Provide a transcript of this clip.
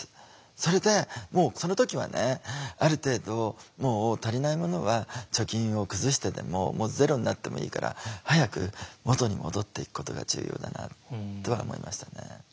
それでもうその時はねある程度もう足りないものは貯金を崩してでももうゼロになってもいいから早く元に戻っていくことが重要だなとは思いましたね。